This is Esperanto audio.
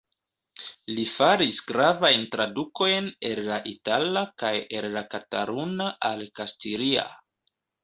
Li faris gravajn tradukojn el la itala kaj el la kataluna al kastilia.